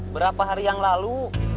berapa hari yang lalu